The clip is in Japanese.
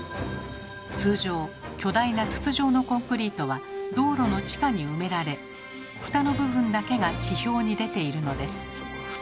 通常巨大な筒状のコンクリートは道路の地下に埋められフタの部分だけが地表に出ているのです。